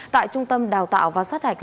tại trung tâm đào tạo và sát hạch